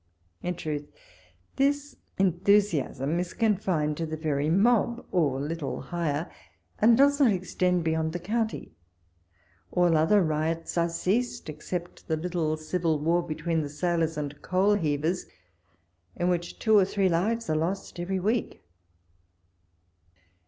In truth, this enthusiasm is confined to the very mob or little higher, and does not extend beyond the County. All other riots are ceased, except the little civil war between the sailors and coal heavers, in which two or three lives are lost every week.